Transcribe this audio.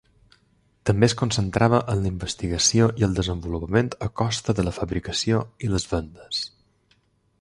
També es concentrava en la investigació i el desenvolupament a costa de la fabricació i les vendes.